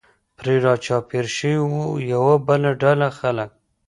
پرې را چاپېر شوي و، یوه بله ډله خلک.